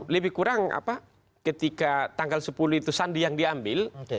lebih kurang ketika tanggal sepuluh itu sandi yang diambil